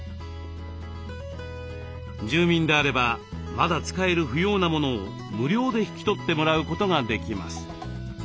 住民であればまだ使える不要なものを無料で引き取ってもらうことができます。